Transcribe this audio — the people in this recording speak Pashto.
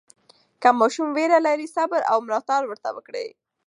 که ماشوم ویره لري، صبر او ملاتړ ورته وکړئ.